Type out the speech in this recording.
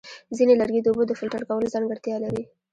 ځینې لرګي د اوبو د فلټر کولو ځانګړتیا لري.